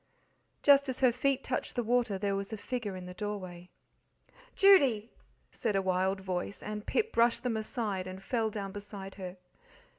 Just as her feet touched the water there was a figure in the doorway. "Judy!" said a wild voice; and Pip brushed them aside and fell down beside her.